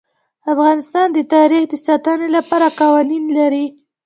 افغانستان د تاریخ د ساتنې لپاره قوانین لري.